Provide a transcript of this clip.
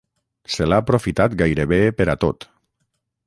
Se l'ha aprofitat gairebé per a tot